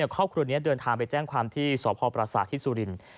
ครอบครัวนี้เดินทางไปแจ้งความที่สพประสาทที่สุรินทร์